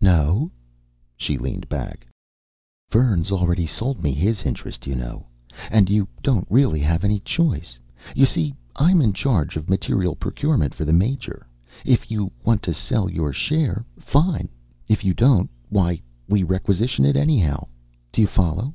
"No?" She leaned back. "Vern's already sold me his interest, you know. And you don't really have any choice. You see, I'm in charge of materiel procurement for the Major. If you want to sell your share, fine. If you don't, why, we requisition it anyhow. Do you follow?"